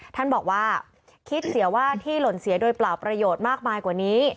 ท่านบอกว่าคิดเสียว่าที่หล่นเสียโดยเปล่าประโยชน์มากมายกว่านี้